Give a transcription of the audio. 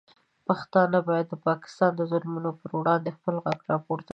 پښتانه باید د پاکستان د ظلمونو پر وړاندې خپل غږ راپورته کړي.